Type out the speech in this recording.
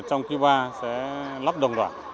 trong khi ba sẽ lắp đồng đoạn